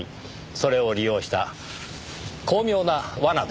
それを利用した巧妙な罠です。